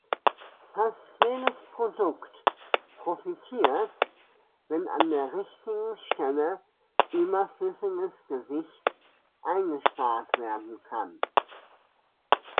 Fast jedes Produkt profitiert, wenn an der richtigen Stelle überflüssiges Gewicht eingespart werden kann.